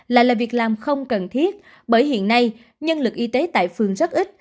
lại là việc làm không cần thiết bởi hiện nay nhân lực y tế tại phường rất ít